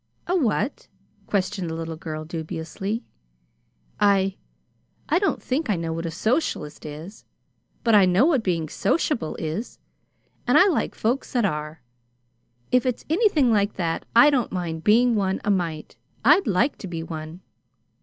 "A what?" questioned the little girl, dubiously. "I I don't think I know what a socialist is. But I know what being SOCIABLE is and I like folks that are that. If it's anything like that, I don't mind being one, a mite. I'd like to be one."